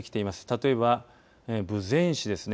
例えば豊前市ですね